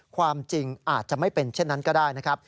ความจริงอาจจะไม่เป็นเช่นนั้นก็ได้นะครับ